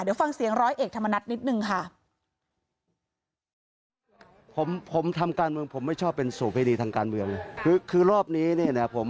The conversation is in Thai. เดี๋ยวฟังเสียงร้อยเอกธรรมนัฐนิดนึงค่ะ